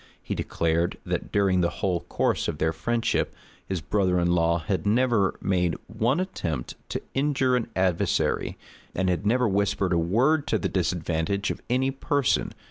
He declared, that during the whole course of their friendship, his brother in law had never made one attempt to injure an adversary, and had never whispered a word to the disadvantage of any person.